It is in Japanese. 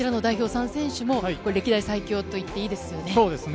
３選手も歴代最強といっていいですよね。